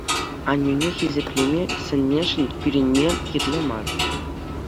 Аннӳне хисеплеме сӗннӗшӗн кӳренме кирлӗ мар.